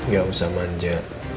gak usah manja